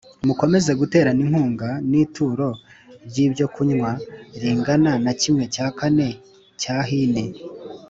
mukomeze guterana inkunga n ituro ry ibyokunywa ringana na kimwe cya kane cya hini